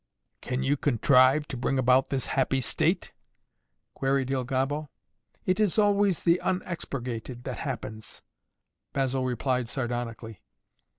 "Can you contrive to bring about this happy state?" queried Il Gobbo. "It is always the unexpurgated that happens," Basil replied sardonically.